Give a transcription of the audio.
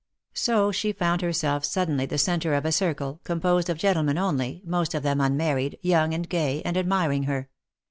So she found herself suddenly the centre of a circle, composed of gentlemen only, most of them unmarried, young and gay, and admiring her.